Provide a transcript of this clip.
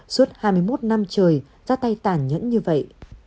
suốt hai mươi một năm trời ra tay tản nhẫn như vậy